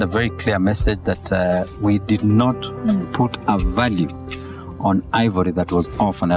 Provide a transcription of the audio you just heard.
việc tạo dụng bản thân